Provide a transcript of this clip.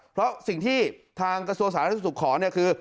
เพราะสิ่งที่ทางกระทรวงสาธารณสุขขอเนี่ยคือ